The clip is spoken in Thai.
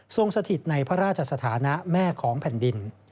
สถิตในพระราชสถานะแม่ของแผ่นดิน